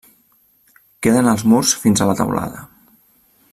Queden els murs fins a la teulada.